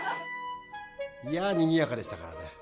いやにぎやかでしたからね。